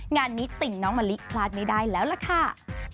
งานนี้ติ่งน้องมะลิพลาดไม่ได้แล้วล่ะค่ะ